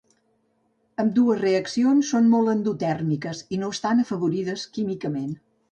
Ambdues reaccions són molt endotèrmiques i no estan afavorides químicament.